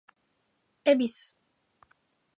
恵比寿